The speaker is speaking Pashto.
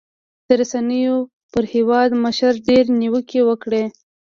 رسنيو پر هېوادمشر ډېرې نیوکې وکړې.